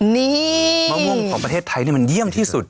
นี่มะม่วงของประเทศไทยมันเยี่ยมที่สุด